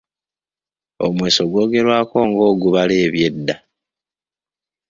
Omweso gwogerwaako ng’ogubala eby’edda.